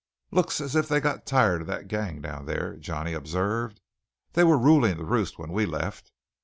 "Looks as if they'd got tired of that gang down there," Johnny observed. "They were ruling the roost when we left.